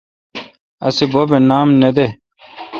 اسی بب اے نام نہ دے۔